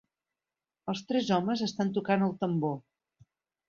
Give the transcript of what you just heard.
Els tres homes estan tocant el tambor.